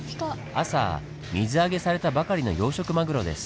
朝水揚げされたばかりの養殖マグロです。